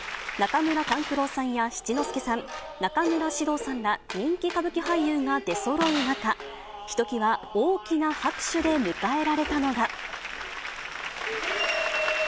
中村勘九郎さんや七之助さん、中村獅童さんら、人気歌舞伎俳優が出そろう中、ひときわ大きな拍手で迎えられたのが。